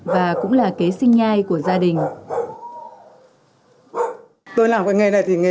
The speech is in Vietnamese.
và cũng là kế sinh nhai của gia đình